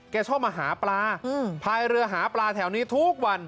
ชอบมาหาปลาพายเรือหาปลาแถวนี้ทุกวัน